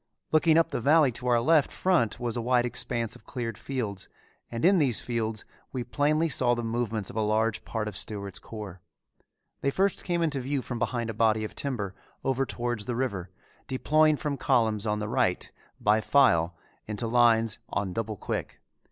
Looking up the valley to our left front was a wide expanse of cleared fields and in these fields we plainly saw the movements of a large part of Stewart's corps. They first came into view from behind a body of timber over towards the river, deploying from column on the right by file into line on double quick.